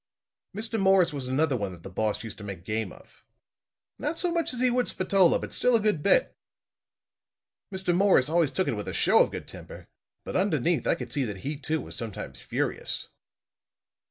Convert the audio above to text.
Mr. Morris was another one that the boss used to make game of. Not so much as he would Spatola, but still a good bit. Mr. Morris always took it with a show of good temper; but underneath I could see that he too was sometimes furious."